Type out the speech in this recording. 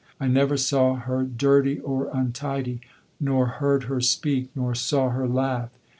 I never saw her dirty or untidy, nor heard her speak, nor saw her laugh.